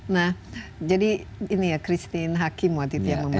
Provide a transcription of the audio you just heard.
nah jadi ini ya christine hakim watiti yang memerankan